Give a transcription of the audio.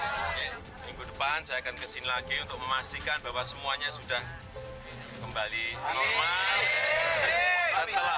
oke minggu depan saya akan kesini lagi untuk memastikan bahwa semuanya sudah kembali normal